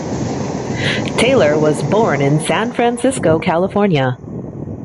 Taylor was born in San Francisco, California.